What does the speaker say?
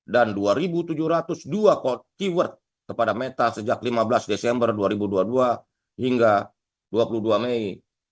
dan dua tujuh ratus dua keyword kepada meta sejak lima belas desember dua ribu dua puluh dua hingga dua puluh dua mei dua ribu dua puluh empat